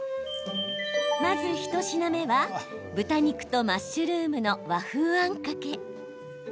まず一品目は豚肉とマッシュルームの和風あんかけ。